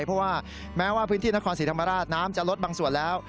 เพราะว่าแม้ว่าพื้นที่นครศรีธรรมราชน้ำจะลดบางส่วนแล้ว